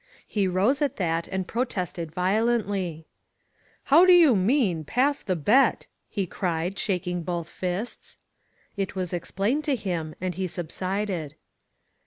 He rose at that and protested violently. *'How do you mean Tass the bet?' " he cried, shak ing both fists. It was explained to him, and he subsided.